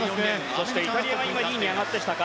そしてイタリアが２位に上がってきたか。